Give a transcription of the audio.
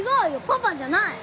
パパじゃない。